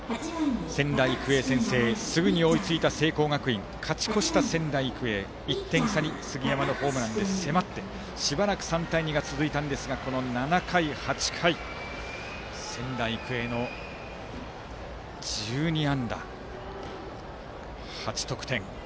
仙台育英、先制すぐに追いついた聖光学院勝ち越した仙台育英１点差に杉山のホームランで迫って、しばらく３対２が続いたんですが７回、８回仙台育英の１２安打８得点。